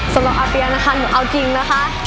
สำหรับอาเปียนะคะหนูเอาจริงนะคะ